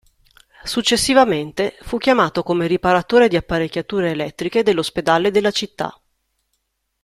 Successivamente fu chiamato come riparatore di apparecchiature elettriche dell'ospedale della città.